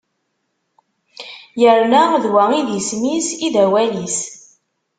Yerna d wa i d isem-is i d awal-is.